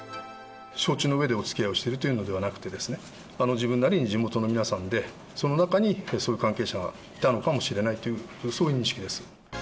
承知のうえでおつきあいをしているというのではなくて、自分なりに地元の皆さんで、その中にそういう関係者がいたのかもしれないという、そういう認識です。